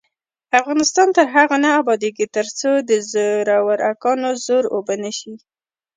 افغانستان تر هغو نه ابادیږي، ترڅو د زورواکانو زور اوبه نشي.